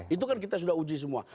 itu kan kita sudah uji semua